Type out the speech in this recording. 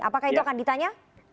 apakah itu akan ditanya